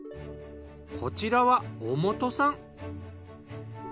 こちらは小本さん。